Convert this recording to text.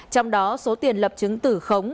trong đó số tiền lập chứng tử khống